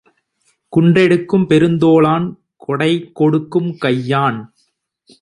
குன்றெடுக்கும் பெருந்தோளான் கொடைகொடுக்கும் கையான்!